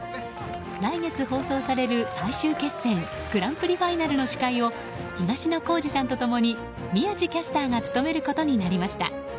来月放送される最終決戦グランプリファイナルの司会を東野幸治さんと共に宮司キャスターが務めることになりました。